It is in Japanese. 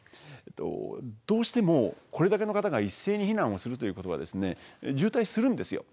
どうしてもこれだけの方が一斉に避難をするということは渋滞するんですよ。